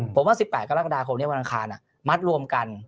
ผมว่า๑๘กรกฎาคมนี้วันอังคารมัดรวมกัน